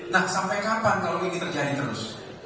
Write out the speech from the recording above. nah sampai kapan kalau ini terjadi terus